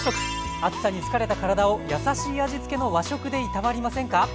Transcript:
暑さに疲れた体をやさしい味つけの和食でいたわりませんか？